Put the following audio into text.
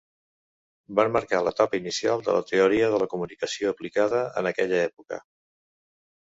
Van marcar l"etapa inicial de la teoria de la comunicació aplicada en aquella època.